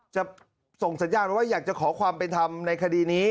จะส่งสัญญาณว่าอยากจะขอความเป็นธรรมในคดีนี้